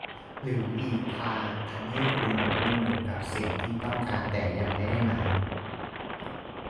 หรืออีกทางทำให้คุณหมกมุ่นอยู่กับสิ่งที่ต้องการแต่ยังไม่ได้มา